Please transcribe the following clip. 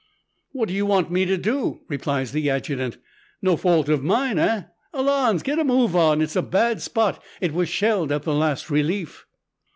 "What do you want me to do?" replies the adjutant, "No fault of mine, eh? Allons, get a move on, it's a bad spot it was shelled at the last relief!"